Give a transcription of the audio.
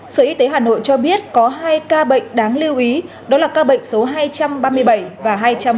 sở y tế hà nội cho biết có hai ca bệnh đáng lưu ý đó là ca bệnh số hai trăm ba mươi bảy và hai trăm ba mươi